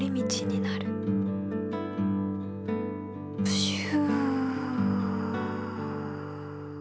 プシュ。